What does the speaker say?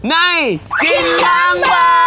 ในกินล้างบาง